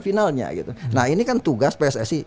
finalnya gitu nah ini kan tugas pssi